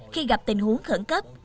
khi gặp tình huống khẩn cấp